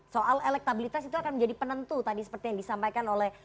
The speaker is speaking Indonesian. soal elektabilitas itu akan menjadi penentu tadi seperti yang disampaikan oleh